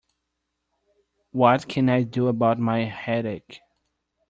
What can I do about my headache?